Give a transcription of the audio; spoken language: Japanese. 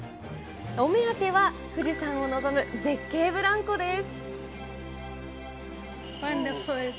お目当ては、富士山を望む絶景ブランコです。